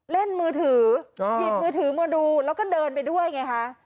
เล่นมือถือหยิบมือถือมาดูแล้วก็เดินไปด้วยไงคะ